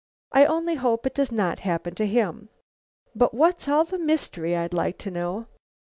I only hope it does not happen to him. But what's all the mystery, I'd like to know?"